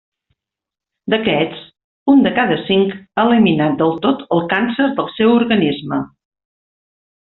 D'aquests, un de cada cinc ha eliminat del tot el càncer del seu organisme.